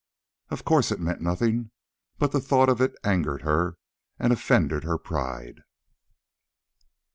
Of course it meant nothing, but the thought of it angered her and offended her pride.